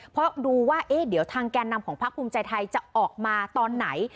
เพราะดูว่าเดี๋ยวทางแก่นำของพักภูมิใจไทยจะออกมาตอนไหน